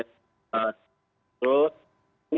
ini nampaknya kan prosesnya